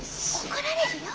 怒られるよ。